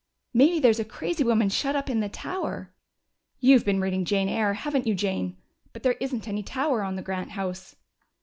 "Maybe there's a crazy woman shut up in the tower." "You've been reading Jane Eyre, haven't you, Jane? But there isn't any tower on the Grant house."